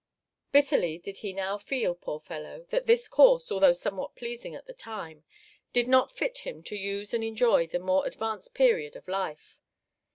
Bitterly did he now feel, poor fellow, that this course, although somewhat pleasing at the time, did not fit him to use and enjoy the more advanced period of life.